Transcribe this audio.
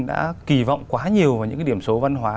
đã kỳ vọng quá nhiều vào những điểm số văn hóa